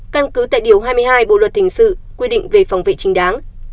căn cứ tại điều hai mươi hai bộ luật hình sự quy định về phòng vệ chính đáng